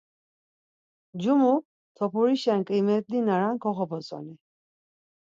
Ncumu topurişen ǩimetli na ren koxobotzoni.